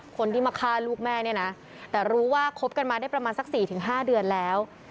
คนที่มาฆ่าลูกแม่เนี่ยนะแต่รู้ว่าคบกันมาได้ประมาณสัก๔๕เดือนแล้ว